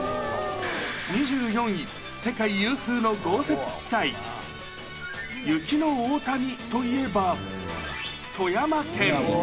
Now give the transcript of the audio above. ２４位、世界有数の豪雪地帯、雪の大谷といえば、富山県。